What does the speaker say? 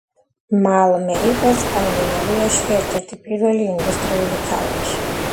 მალმე იყო სკანდინავიაში ერთ-ერთი პირველი ინდუსტრიული ქალაქი.